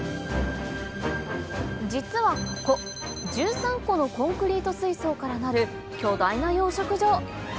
実はここ１３個のコンクリート水槽からなる巨大な養殖場